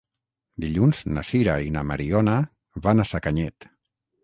Dilluns na Sira i na Mariona van a Sacanyet.